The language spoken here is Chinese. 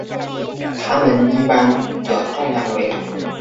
它们一般的重量为。